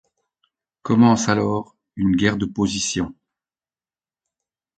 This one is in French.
Commence alors une guerre de position.